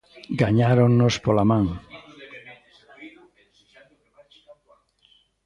Gañáronnos pola man.